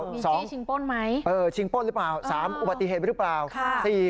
มีจี้ชิงป้นไหมเออชิงป้นหรือเปล่าสามอุบัติเหตุหรือเปล่าค่ะ